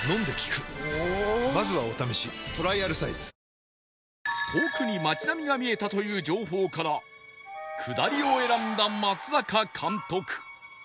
ニトリ遠くに街並みが見えたという情報から下りを選んだ松坂監督